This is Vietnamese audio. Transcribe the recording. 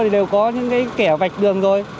đều có những kẻ vạch đường rồi